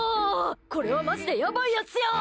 これはマジでやばいやつや！